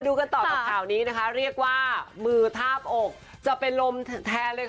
กันต่อกับข่าวนี้นะคะเรียกว่ามือทาบอกจะเป็นลมแทนเลยค่ะ